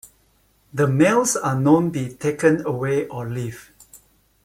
The males are known be taken away or leave.